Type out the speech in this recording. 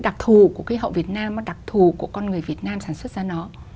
đặc thù của cái hậu việt nam nó đặc thù của con người việt nam sản xuất ra nó